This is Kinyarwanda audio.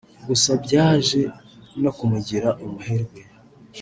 gusa byaje no kumugira umuherwe